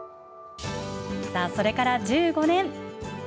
それから１５年。